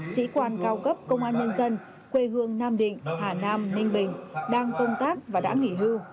sĩ quan cao cấp công an nhân dân quê hương nam định hà nam ninh bình đang công tác và đã nghỉ hưu